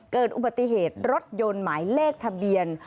เกิดอุบัติเหตุรถยนต์หมายเลขทะเบียน